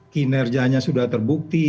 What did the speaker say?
kinerjanya sudah terbukti